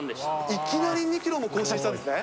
いきなり２キロも更新したんですね。